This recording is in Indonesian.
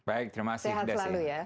baik terima kasih sehat selalu ya